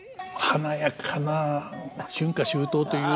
華やかな「春夏秋冬」という。